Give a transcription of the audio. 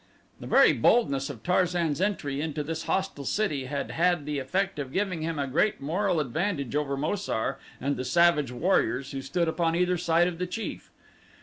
The very boldness of Tarzan's entry into this hostile city had had the effect of giving him a great moral advantage over Mo sar and the savage warriors who stood upon either side of the chief.